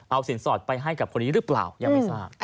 เอาสินสอดไปให้กับคนนี้หรือเปล่ายังไม่ทราบ